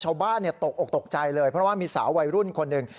ตกออกตกใจเลยเพราะว่ามีสาววัยรุ่นคนหนึ่ง